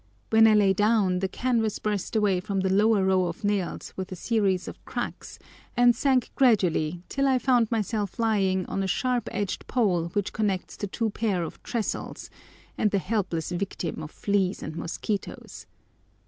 When I lay down the canvas burst away from the lower row of nails with a series of cracks, and sank gradually till I found myself lying on a sharp edged pole which connects the two pair of trestles, and the helpless victim of fleas and mosquitoes.